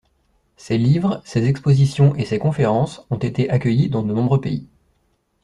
Ses livres, ses expositions et ses conférences ont été accueillis dans de nombreux pays.